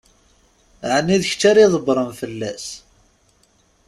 Ɛni d kečč ara ydebbṛen fell-as?